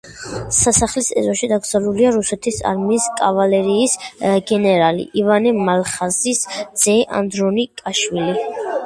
სასახლის ეზოში დაკრძალულია რუსეთის არმიის კავალერიის გენერალი ივანე მალხაზის ძე ანდრონიკაშვილი.